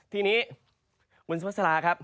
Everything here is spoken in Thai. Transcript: ทีนี้อุณสมศลาครับ